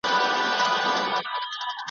شیخان به نه وي ورک به یې پل وي ,